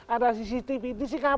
ada cctv ini sih kapan